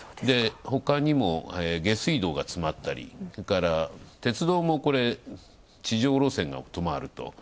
ほかにも、下水道が詰まったり、それから鉄道も地上路線が止まると。